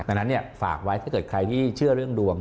ดังนั้นฝากไว้ถ้าเกิดใครที่เชื่อเรื่องดวง